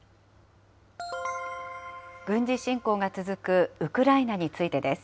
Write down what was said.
軍事侵攻が続くウクライナについてです。